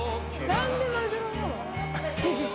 何でマグロなの？